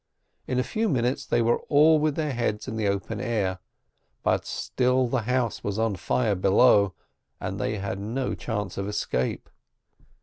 In a few minutes they were all with their heads in the open air, but still the house was on fire below, and they had no chance of escape.